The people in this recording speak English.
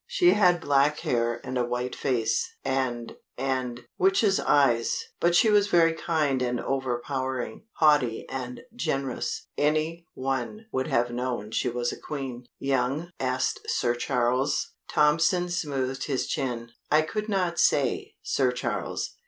She had black hair, and a white face, and and witch's eyes, but she was very kind and overpowering, haughty and generous. Any one would have known she was a Queen." "Young?" asked Sir Charles. Tompson smoothed his chin: "I could not say, Sir Charles.